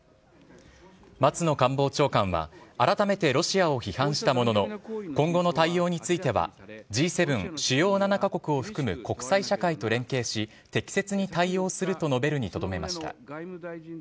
松野官房長官は、改めてロシアを批判したものの、今後の対応についてはＧ７・主要７か国を含む国際社会と連携し、適切に対応すると述べるにとどめました。